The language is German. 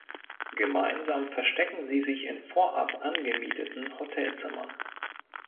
Gemeinsam verstecken sie sich in vorab angemieteten Hotelzimmern.